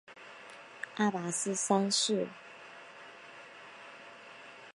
阿拔斯三世。